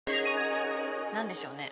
なんでしょうね？